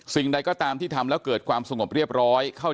สิ่งใดก็ตามที่ทำแล้วเกิดความสงบเรียบร้อย